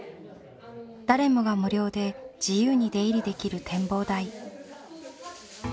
誰もが無料で自由に出入りできる展望台。